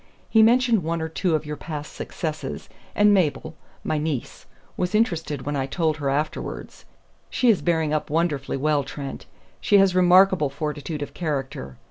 He mentioned one or two of your past successes, and Mabel my niece was interested when I told her afterwards. She is bearing up wonderfully well, Trent; she has remarkable fortitude of character.